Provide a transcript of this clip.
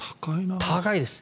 高いです。